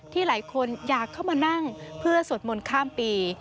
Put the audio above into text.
หลายคนอยากเข้ามานั่งเพื่อสวดมนต์ข้ามปี